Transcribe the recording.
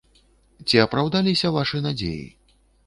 Ці апраўдаліся вашы надзеі?